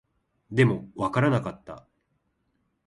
でも、わからなかった